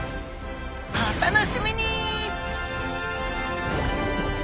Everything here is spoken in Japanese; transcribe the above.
お楽しみに！